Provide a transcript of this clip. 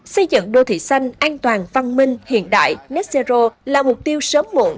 xây dựng đô thị xanh an toàn văn minh hiện đại net zero là mục tiêu sớm muộn